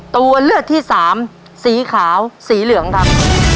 ตัวเลือกที่สามสีขาวสีเหลืองครับ